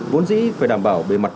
vốn dĩ phải đảm bảo bề mặt